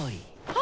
あ？